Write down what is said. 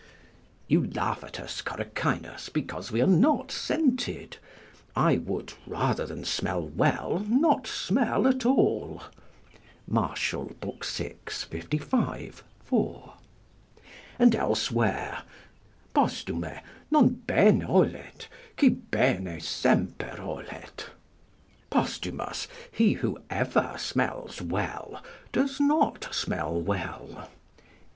["You laugh at us, Coracinus, because we are not scented; I would, rather than smell well, not smell at all." Martial, vi. 55, 4.] And elsewhere: "Posthume, non bene olet, qui bene semper olet." ["Posthumus, he who ever smells well does not smell well."